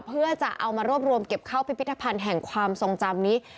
เพื่อจะเอามารวบรวมเก็บเข้าพิพิธภัณฑ์แห่งความทรงจำนี้